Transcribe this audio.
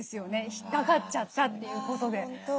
引っかかっちゃったということで。